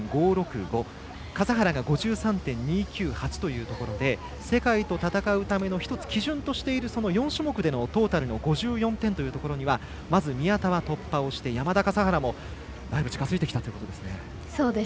笠原が５２．２９８ということで世界と戦うための基準としている４種目でのトータルの５４点というところでもまず宮田は突破をして山田、笠原もだいぶ近づいてきたということですね。